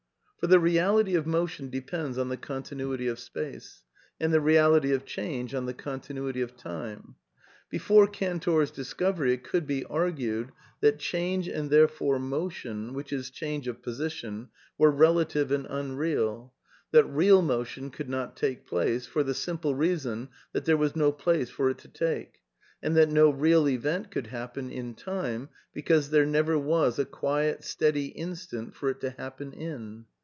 For the rfialit y of F<^t|o^ dppPTi/lfl rm iha ^^Qj^i^j^piij ^f spgce, and thj_ M iililji of flipiiit^fi mi llui nmliniiil.j/ yF Ijmc BeJoFe (Janitor's discovery it could be argued that change and therefore motion, which is change of position, were rela tive and unreal ; that real motion could not take place, for the simple reason that there was no place for it to take, and that no real event could happen in time because there never was a quiet, steady instant for it to happen in.